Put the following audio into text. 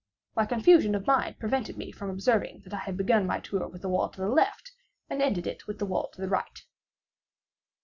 My confusion of mind prevented me from observing that I began my tour with the wall to the left, and ended it with the wall to the right.